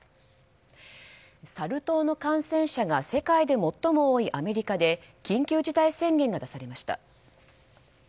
サル痘の感染者が世界で最も多いアメリカで緊急事態宣言が出されました。